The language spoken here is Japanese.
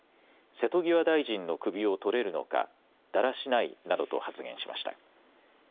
瀬戸際大臣の首を取れるのか、だらしないなどと発言しました。